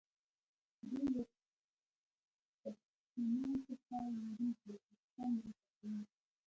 دوی له پښتنو څخه ویریږي او پاکستان ملاتړ کوي